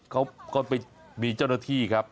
เขาก็ไปมีเจ้าหน้าที่ครับ